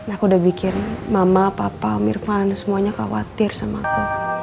aku udah pikir mama papa mirfan semuanya khawatir sama aku